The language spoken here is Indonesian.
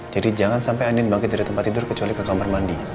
jadi jangan sampai andin bangkit dari tempat tidur kecuali ke kamar mandi